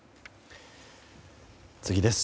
次です。